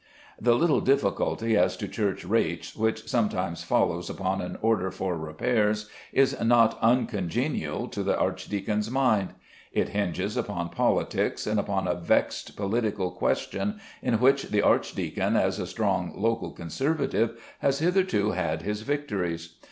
The little difficulty as to church rates which sometimes follows upon an order for repairs is not uncongenial to the archdeacon's mind. It hinges upon politics, and upon a vexed political question in which the archdeacon, as a strong local Conservative, has hitherto had his victories.